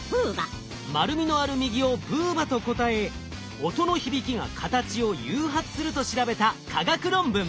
丸みのある右をブーバと答え「音の響きが形を誘発する」と調べた科学論文。